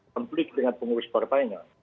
konflik dengan pengurus partainya